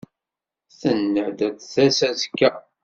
Tenna-d ad d-tas azekka.